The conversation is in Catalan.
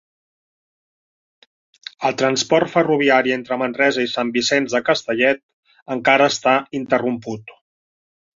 El transport ferroviari entre Manresa i Sant Vicenç de Castellet encara està interromput